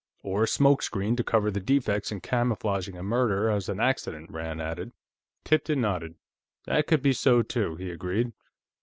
"Or a smoke screen, to cover the defects in camouflaging a murder as an accident," Rand added. Tipton nodded. "That could be so, too," he agreed.